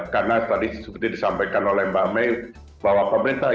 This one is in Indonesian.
karena tadi seperti disampaikan oleh mbak may